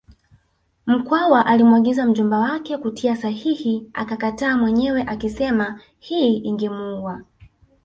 Mkwawa alimwagiza mjomba wake kutia sahihi akakataa mwenyewe akisema hii ingemuua